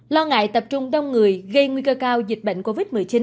lo ngại tập trung đông người gây nguy cơ cao dịch bệnh covid một mươi chín